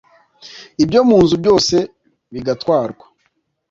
ibyo mu nzu byose bigatwarwa